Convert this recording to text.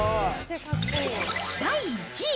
第１位。